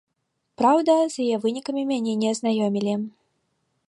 Праўда, з яе вынікамі мяне не азнаёмілі.